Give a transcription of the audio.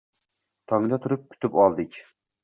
Tongda turib, kutib oldik